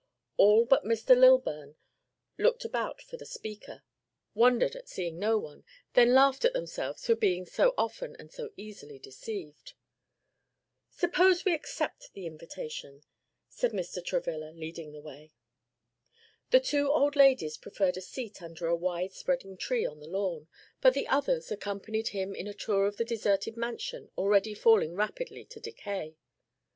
All but Mr. Lilburn looked about for the speaker, wondered at seeing no one, then laughed at themselves for being so often and so easily deceived. "Suppose we accept the invitation," said Mr. Travilla, leading the way. The two old ladies preferred a seat under a wide spreading tree on the lawn; but the others accompanied him in a tour of the deserted mansion already falling rapidly to decay.